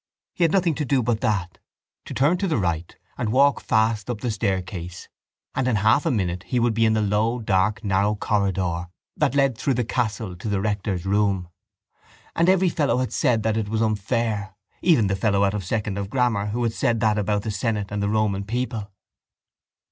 He had nothing to do but that; to turn to the right and walk fast up the staircase and in half a minute he would be in the low dark narrow corridor that led through the castle to the rector's room. And every fellow had said that it was unfair, even the fellow out of second of grammar who had said that about the senate and the Roman people.